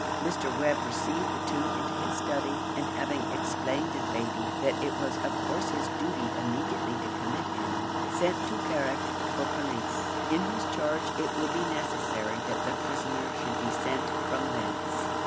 Mr. Webb received the two into his study, and having explained to Thady that it was of course his duty immediately to commit him, sent to Carrick for police, in whose charge it would be necessary that the prisoner should be sent from thence.